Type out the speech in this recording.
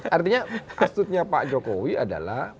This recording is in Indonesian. artinya astudnya pak jokowi adalah